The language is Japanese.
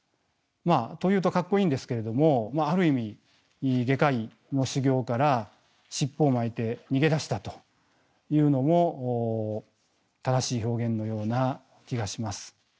と言うとかっこいいんですけれどもある意味外科医の修業から尻尾を巻いて逃げ出したというのも正しい表現のような気がします。